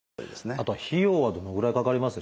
あとは費用はどのぐらいかかりますでしょうか？